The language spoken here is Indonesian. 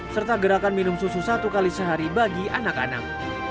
serta gerakan minum susu satu kali sehari bagi anak anak